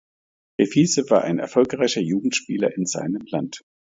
Riffice war ein erfolgreicher Jugendspieler in seinem Land.